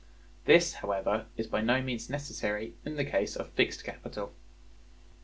This, however, is by no means necessary in the case of fixed capital.